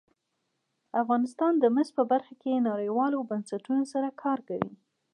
افغانستان د مس په برخه کې نړیوالو بنسټونو سره کار کوي.